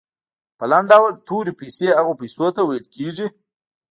په لنډ ډول تورې پیسې هغو پیسو ته ویل کیږي.